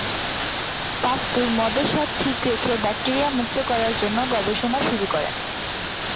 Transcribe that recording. পাস্তুর মদের স্বাদ ঠিক রেখে ব্যাক্টেরিয়া মুক্ত করার জন্য গবেষণা শুরু করেন।